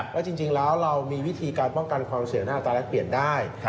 ว่าจริงแล้วเรามีวิธีการป้องกันความเสียหน้าอัตราแรกเปลี่ยนได้